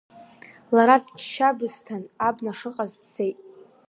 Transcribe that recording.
Лара дшьабысҭан абна шыҟаз дцеит.